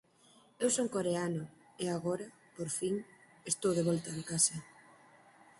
Eu son coreano, e agora, por fin, estou de volta en casa.